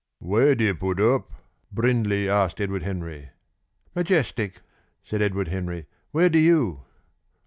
"Where do you put up?" Brindley asked Edward Henry. "Majestic," said Edward Henry. "Where do you?"